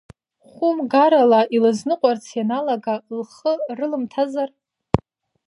Хәымгарала илызныҟәарц ианалага лхы рылымҭазар?